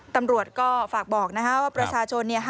ตำรวจก็ฝากบอกนะครับว่าประชาชนเนี่ย